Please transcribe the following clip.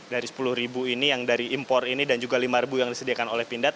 dari sepuluh ini yang dari impor ini dan juga rp lima yang disediakan oleh pindad